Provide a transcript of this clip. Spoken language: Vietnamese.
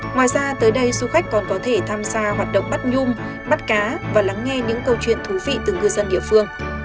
ngoài ra tới đây du khách còn có thể tham gia hoạt động bắt nhung bắt cá và lắng nghe những câu chuyện thú vị từ ngư dân địa phương